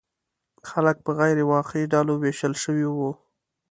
خلک په غیر واقعي ډلو ویشل شوي وو.